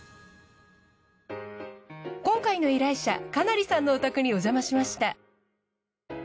今回の依頼者金成さんのお宅におじゃましました。